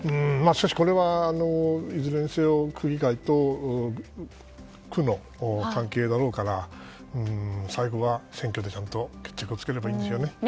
しかしこれは、いずれにせよ区議会と区の関係だろうから最後は選挙でちゃんと決着をつければいいですよね。